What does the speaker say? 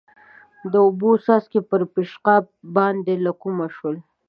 د اوبو څاڅکي پر پېشقاب باندې له کومه شول؟